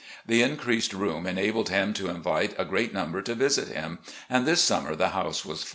The increased room enabled him to invite a greater number to visit him, and this summer the house was fuU.